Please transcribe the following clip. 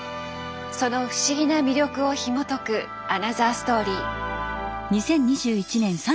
その不思議な魅力をひもとくアナザーストーリー。